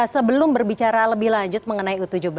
sebelum berbicara lebih lanjut mengenai u tujuh belas